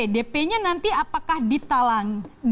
dp nya nanti apakah ditalang